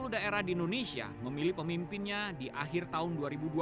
dua ratus tujuh puluh daerah di indonesia memilih pemimpinnya di akhir tahun dua ribu dua puluh